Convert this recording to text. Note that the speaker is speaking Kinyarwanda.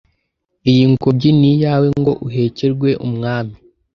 iyi ngobyi niyawe ngo uhekerwe umwami